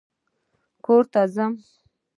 کور ته ځې!